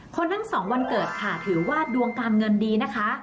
ทั้งสองวันเกิดค่ะถือว่าดวงการเงินดีนะคะ